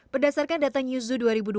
berdasarkan data newzoo dua ribu dua puluh